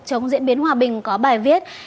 chống diễn biến hòa bình có bài viết